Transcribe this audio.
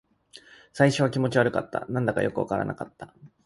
最初は気持ち悪かった。何だかよくわからなかった。